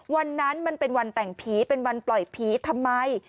วันนั้นมันเป็นวันแต่งผีเป็นวันปล่อยผีทำไม